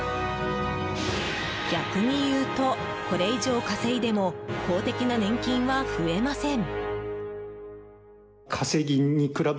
逆にいうと、これ以上稼いでも公的な年金額は増えません。